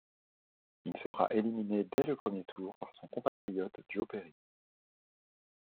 Il sera éliminé dès le premier tour par son compatriote Joe Perry.